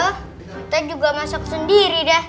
kita juga masak sendiri deh